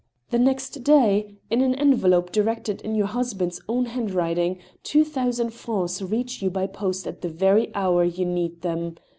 The next day, in an envelope directed in your husband's own handwriting, two thousand francs reach you by post at the very hour you need them.